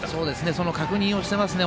その確認をしていますね。